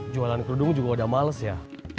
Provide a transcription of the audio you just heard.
jualan kerudung juga udah males ya